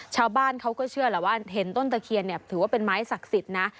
ชาวบ้านเขาก็เชื่อแหละว่าเห็นต้นตะเคียนเนี่ยถือว่าเป็นไม้ศักดิ์สิทธิ์นะ